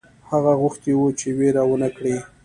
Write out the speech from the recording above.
هغه غوښتي وه چې وېره ونه کړي.